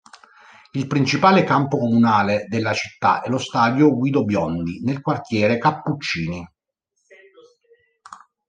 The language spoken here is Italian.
Il principale campo comunale della città è lo stadio Guido Biondi, nel quartiere Cappuccini.